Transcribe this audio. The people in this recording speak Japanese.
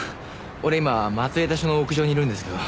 俺今松枝署の屋上にいるんですけど。